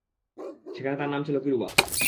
সেখানে তার নাম ছিল, কিরুবা।